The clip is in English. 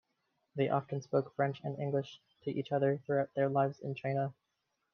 They often spoke French and English to each other throughout their lives in China.